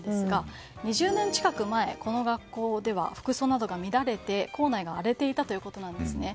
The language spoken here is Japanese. ２０年近く前この学校では服装などが乱れて校内が荒れていたということなんですね。